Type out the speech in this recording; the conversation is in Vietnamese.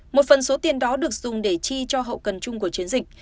một phần số tiền đó được dùng để chi cho hậu cần chung của chiến dịch